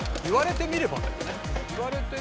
言われてみれば。